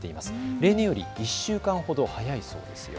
例年より１週間ほど早いそうです。